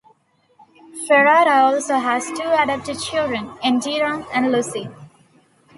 Ferrara also has two adopted children: Endira and Lucy.